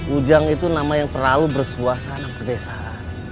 ujang itu nama yang terlalu bersuasana pedesaan